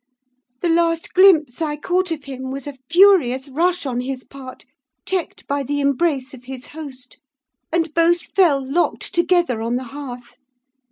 The last glimpse I caught of him was a furious rush on his part, checked by the embrace of his host; and both fell locked together on the hearth.